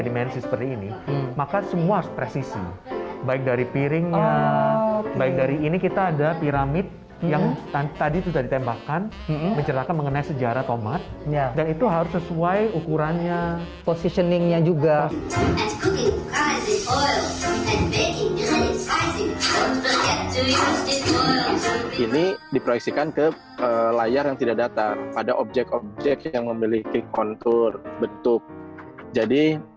juga ini diproyeksikan ke layar yang tidak data pada objek objek yang memiliki kontur bentuk jadi